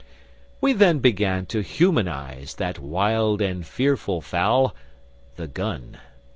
We then began to humanise that wild and fearful fowl, the gun.